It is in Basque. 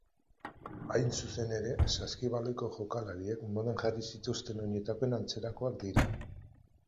Hain zuzen ere, saskibaloiko jokalariek modan jarri zituzten oinetakoen antzekoak dira.